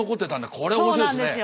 これ面白いですね。